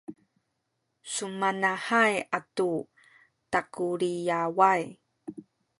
sumanahay atu takuliyaway